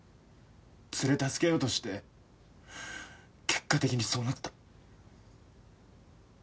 ツレ助けようとして結果的にそうなった。